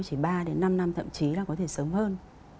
chỉ ba đến năm năm thậm chí là có thể sớm hơn